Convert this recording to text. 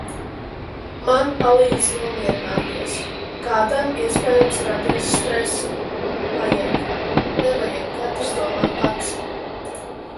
Man palīdz nomierināties, kādam iespējams radīs stresu, vajag, nevajag katrs domā pats.